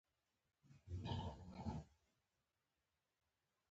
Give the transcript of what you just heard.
لیلا د کار ښځه نه ده.